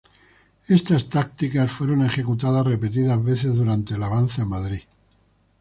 Estas tácticas fueron ejecutadas repetidas veces durante el avance a Madrid.